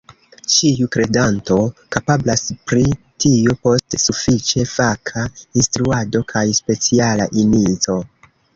Ĉiu kredanto kapablas pri tio – post sufiĉe faka instruado kaj speciala inico.